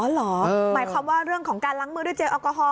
หมายความว่าเรื่องของการล้างมือด้วยเจลแอลกอฮอล